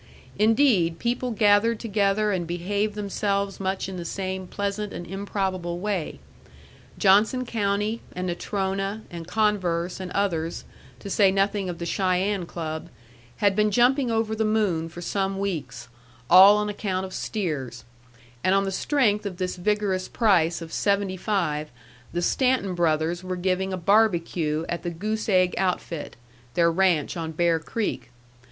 Indeed, people gathered together and behaved themselves much in the same pleasant and improbable way. Johnson County, and Natrona, and Converse, and others, to say nothing of the Cheyenne Club, had been jumping over the moon for some weeks, all on account of steers; and on the strength of this vigorous price of seventy five, the Stanton Brothers were giving a barbecue at the Goose Egg outfit, their ranch on Bear Creek.